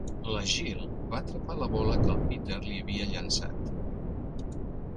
La Jill va atrapar la bola que el Peter li havia llançat.